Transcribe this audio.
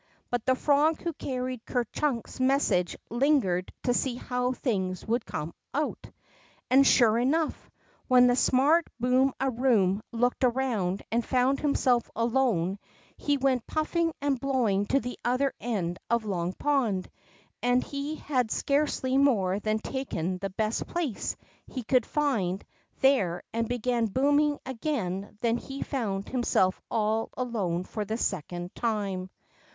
But the frog who carried Ker Chunk's message lingered to see how things would come out. And, sure enough. When the smart Boom a Boom looked around and found himself alone, he went puffing and blowing to the other end of Long Pond, and he had scarcely more than taken the best place he could find there and begun booming again than he found himself all alone for the second time.